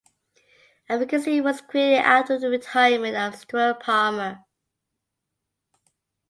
A vacancy was created after the retirement of Stuart Palmer.